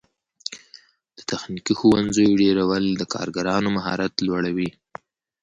د تخنیکي ښوونځیو ډیرول د کارګرانو مهارت لوړوي.